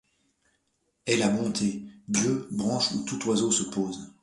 Est la bonté. Dieu, branche où tout oiseau se pose !